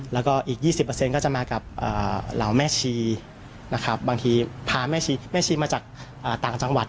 แล้วก็อีก๒๐ก็จะมากับเหล่าแม่ชีนะครับบางทีพาแม่ชีมาจากต่างจังหวัด